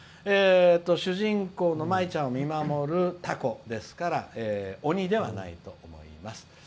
主人公の舞ちゃんを見守るたこですから鬼ではないと思います。